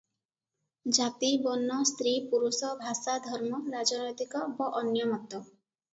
ଜାତି, ବର୍ଣ୍ଣ, ସ୍ତ୍ରୀ, ପୁରୁଷ, ଭାଷା, ଧର୍ମ, ରାଜନୈତିକ ବ ଅନ୍ୟ ମତ ।